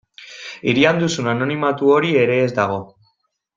Hirian duzun anonimatu hori ere ez dago.